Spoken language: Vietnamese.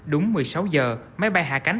đúng một mươi sáu giờ máy bay hạ cánh